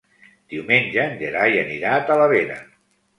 Diumenge en Gerai anirà a Talavera.